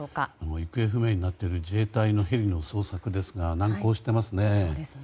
行方不明になっている自衛隊のヘリの捜索ですが難航していますね。